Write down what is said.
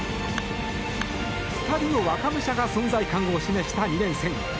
２人の若武者が存在感を示した２連戦。